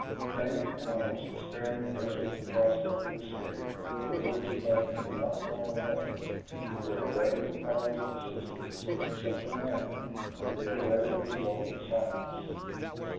Faint and almost despairing as was the prospect of escape, the words of Duncan were not thrown away, for it awakened the powers of the sisters in such a manner that they awaited the results in silence.